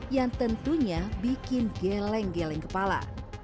yang tentunya bikin geleng geleng kepala